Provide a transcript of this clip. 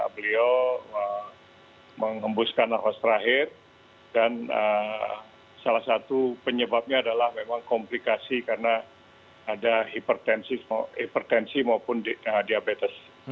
beliau mengembuskan narkos terakhir dan salah satu penyebabnya adalah memang komplikasi karena ada hipertensi maupun diabetes